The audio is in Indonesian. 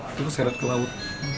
itu keseret ke laut